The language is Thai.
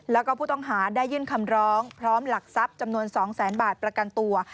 แล้วก็ผู้ต้องหาได้ยื่นคำร้องพร้อมหลักทรัพย์จำนวน๒แสนบาทประกันตัว